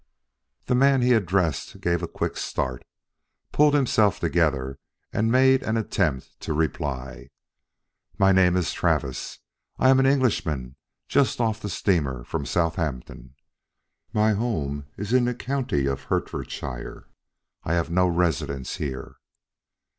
The man he addressed gave a quick start, pulled himself together and made an attempt to reply. "My name is Travis. I am an Englishman just off the steamer from Southampton. My home is in the county of Hertfordshire. I have no residence here."